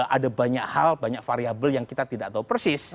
ada banyak hal banyak variable yang kita tidak tahu persis